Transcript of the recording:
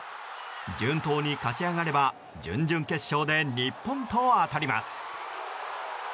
順当に勝ち上がれば準々決勝で日本と当たります。